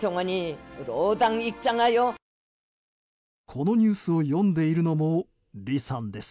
このニュースを読んでいるのもリさんです。